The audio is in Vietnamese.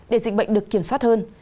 để dịch bệnh được kiểm soát hơn